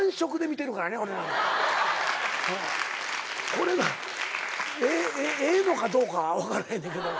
これがええのかどうか分からへんねんけど。